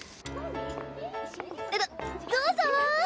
どどうぞ。